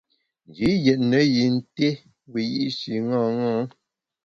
Nji yètne yin té wiyi’shi ṅaṅâ.